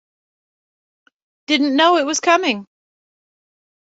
Didn't know it was coming.